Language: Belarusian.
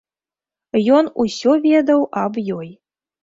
Ён усё ведаў аб ёй.